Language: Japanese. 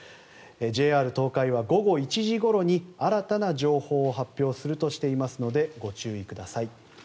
ＪＲ東海は午後１時ごろに新たな情報を発表するとしていますのでご注意ください。